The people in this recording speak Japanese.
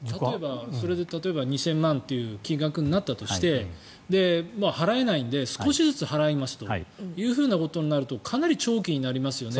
それで例えば２０００万という金額になったとして払えないので少しずつ払いますということになるとかなり長期になりますよね。